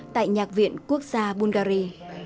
tại nhạc viện quốc gia bungary